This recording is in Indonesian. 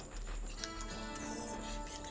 iya ibu diliat sendiri